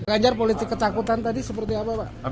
ganjar politik ketakutan tadi seperti apa pak